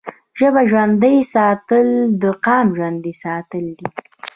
ژبه ژوندی ساتل د قام ژوندی ساتل دي.